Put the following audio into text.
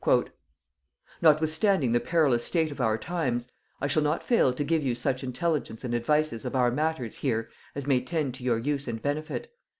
_ "Notwithstanding the perilous state of our times, I shall not fail to give you such intelligence and advices of our matters here as may tend to your use and benefit.